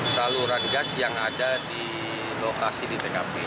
saluran gas yang ada di lokasi di tkp